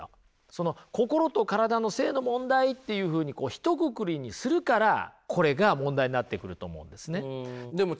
その心と体の性の問題というふうにこうひとくくりにするからこれが問題になってくると思うんですね。